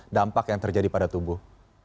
dampak yang terjadi pada tubuh